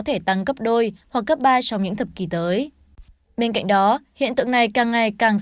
thể tăng cấp đôi hoặc cấp ba trong những thập kỷ tới bên cạnh đó hiện tượng này càng ngày càng